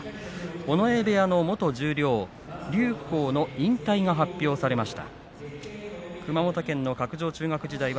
尾上部屋の元十両竜虎の引退が発表されました。